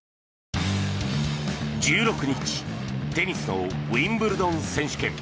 １６日テニスのウィンブルドン選手権。